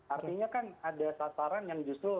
artinya kan ada sasaran yang justru